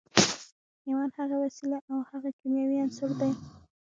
ايمان هغه وسيله او هغه کيمياوي عنصر دی.